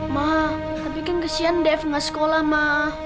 ma tapi kan kesian dev gak sekolah ma